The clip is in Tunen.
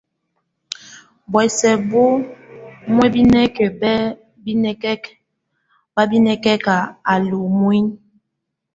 Buɔ́sɛ bo muebinek, bá binekek, bá binekek, a li umue.